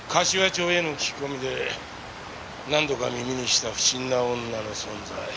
柏町への聞き込みで何度か耳にした不審な女の存在。